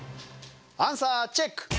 アンサーチェック！